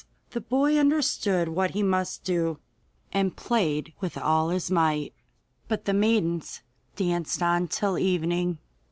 The boy understood what he must do, and played with all his might, but the maidens danced on till evening.